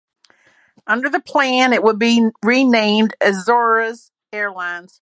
Under the plan it would also be renamed Azores Airlines.